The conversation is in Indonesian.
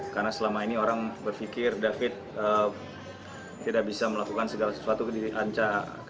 karena selama ini orang berpikir david tidak bisa melakukan segala sesuatu di anca